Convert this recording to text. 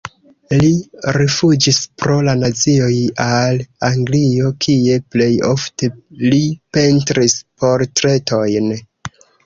Li rifuĝis pro la nazioj al Anglio, kie plej ofte li pentris portretojn.